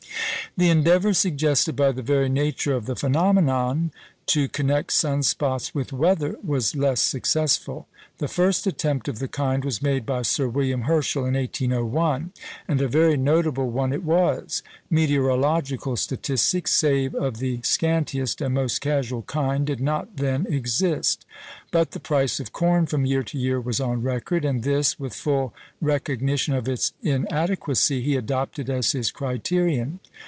The endeavour, suggested by the very nature of the phenomenon, to connect sun spots with weather was less successful. The first attempt of the kind was made by Sir William Herschel in 1801, and a very notable one it was. Meteorological statistics, save of the scantiest and most casual kind, did not then exist; but the price of corn from year to year was on record, and this, with full recognition of its inadequacy, he adopted as his criterion.